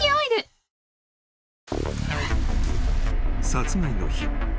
［殺害の日］